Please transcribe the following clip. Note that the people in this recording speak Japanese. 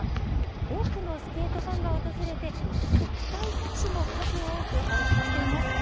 多くのスケートファンが訪れて、国体選手も数多く輩出しています。